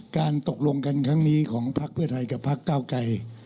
การตกลงกันครั้งนี้ของพักเพื่อไทยกับพักเก้าไกร